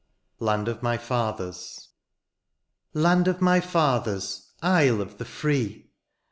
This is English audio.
LAND OF MY FATHERS. Land of my fathers, isle of the free